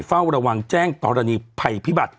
เฝ้าระวังแจ้งกรณีภัยพิบัติ